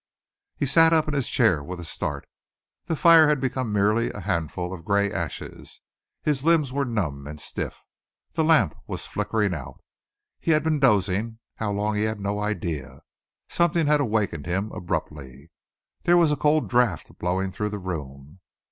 He sat up in his chair with a start. The fire had become merely a handful of grey ashes, his limbs were numb and stiff. The lamp was flickering out. He had been dozing, how long he had no idea. Something had awakened him abruptly. There was a cold draught blowing through the room.